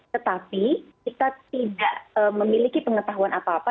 tetapi kita tidak memiliki pengetahuan apa apa